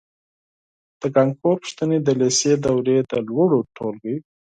د کانکور پوښتنې د لېسې دورې د لوړو ټولګیو